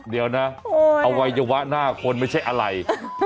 เดี๋ยวนะอวัยวะหน้าคนไม่ใช่อะไร